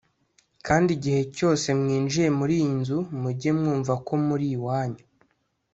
kandi igihe cyose mwinjiye muri iyi nzu mujye mwumva ko muri iwanyu